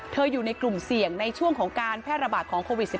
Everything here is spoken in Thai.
อยู่ในกลุ่มเสี่ยงในช่วงของการแพร่ระบาดของโควิด๑๙